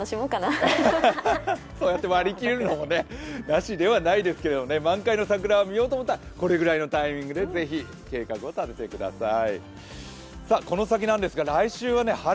そうやって割り切るのもなしではないですけれどもね、満開の桜を見ようと思ったら、これくらいのタイミングでぜひ計画を立ててください。